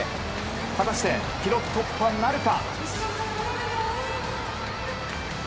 果たして、記録突破なるか。